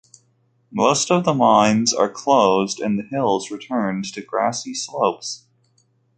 Most of the mines are closed and the hills returned to grassy slopes.